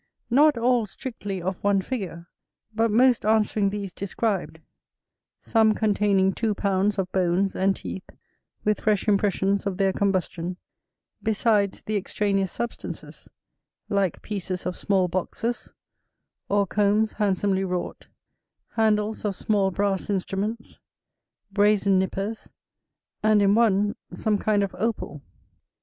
Not all strictly of one figure, but most answering these described; some containing two pounds of bones, and teeth, with fresh impressions of their combustion; besides the extraneous substances, like pieces of small boxes, or combs handsomely wrought, handles of small brass instruments, brazen nippers, and in one some kind of opal.